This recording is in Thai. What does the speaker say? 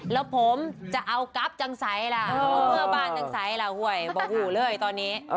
แล้วผมจะเอากับจังสัยละทั่วบ้านจังสัยล่ะโหยบอกหูเลยตอนนี้